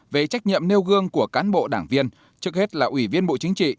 về trách nhiệm nêu gương của cán bộ đảng viên trước hết là ủy viên bộ chính trị